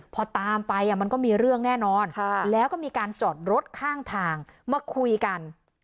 พอตามไปมันก็มีเรื่องแน่นอนแล้วก็มีการจอดรถข้างทางมาคุยกัน